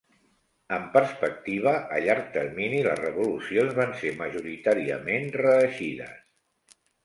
En Perspectiva a llarg termini, les revolucions van ser majoritàriament reeixides.